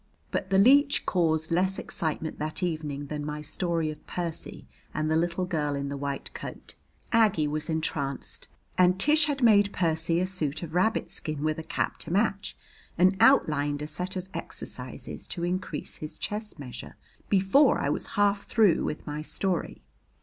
But the leech caused less excitement that evening than my story of Percy and the little girl in the white coat. Aggie was entranced, and Tish had made Percy a suit of rabbit skin with a cap to match and outlined a set of exercises to increase his chest measure before I was half through with my story.